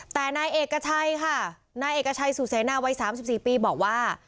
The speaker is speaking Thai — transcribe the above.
แต่นายเอกชัยค่ะนายเอกชัยสุเสนาวัย๓๔ปีบอกว่า